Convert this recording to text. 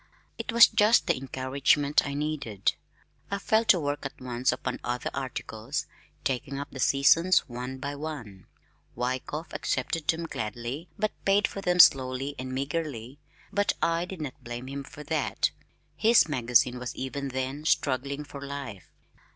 It was just the encouragement I needed. I fell to work at once upon other articles, taking up the seasons one by one. Wyckoff accepted them gladly, but paid for them slowly and meagerly but I did not blame him for that. His magazine was even then struggling for life.